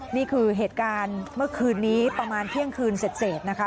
นี่คือเหตุการณ์เมื่อคืนนี้ประมาณเที่ยงคืนเสร็จนะคะ